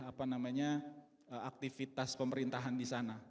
apa namanya aktivitas pemerintahan di sana